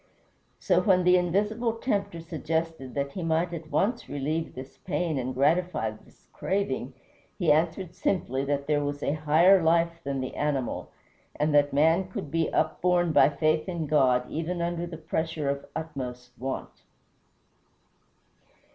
So when the invisible tempter suggested that he might at once relieve this pain and gratify this craving, he answered simply that there was a higher life than the animal, and that man could be upborne by faith in God even under the pressure of utmost want.